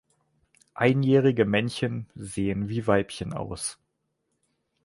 Einjährige Männchen sehen wie Weibchen aus.